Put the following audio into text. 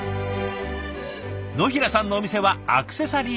野平さんのお店はアクセサリーショップ。